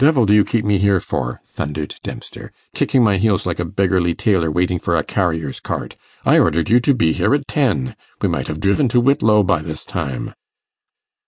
'What the devil do you keep me here for?' thundered Dempster, 'kicking my heels like a beggarly tailor waiting for a carrier's cart? I ordered you to be here at ten. We might have driven to Whitlow by this time.